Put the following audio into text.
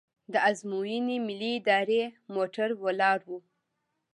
د ازموینې ملي ادارې موټر ولاړ و.